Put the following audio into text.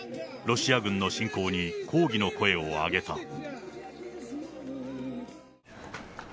ロシア軍の侵攻に抗議の声を上げた。